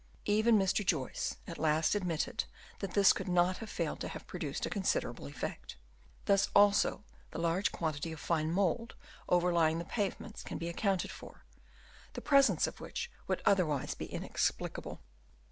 Even Mr. Joyce at last ad mitted that this could not have failed to have produced a considerable effect. Thus also the large quantity of fine mould overlying the pavements can be accounted for, the presence of which would otherwise be inexplicable.